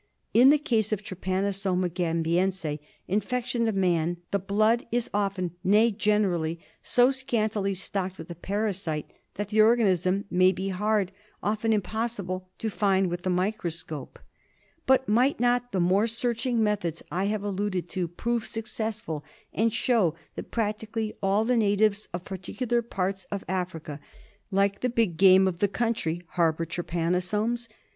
In the case of Trypajiosoma gambiense infection of man the blood is often, nay generally, so scantily stocked with the parasite that the organism may be hard, often impossible, to find with the microscope. But might not the more searching methods I have alluded to prove successful and show that practically all the natives of particular parts of Africa, like the big game of the country, harbour trypanosomes ?